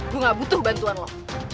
gue gak butuh bantuan lo